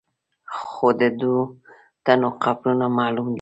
خو د دوو تنو قبرونه معلوم دي.